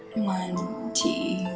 nhưng mà chị